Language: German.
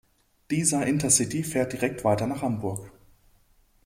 Dieser InterCity fährt direkt weiter nach Hamburg.